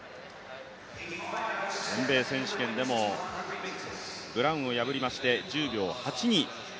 全米選手権でも、ブラウンを破りまして１０秒８２。